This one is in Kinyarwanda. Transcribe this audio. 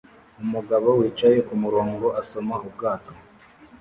Umugabo wicaye kumurongo asoma ubwato